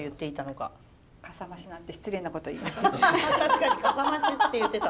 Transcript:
かさ増しなんて失礼なことを言いました。